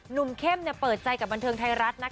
หนุ่มเข้มเนี่ยเปิดใจกับบันเทิงไทยรัฐนะคะ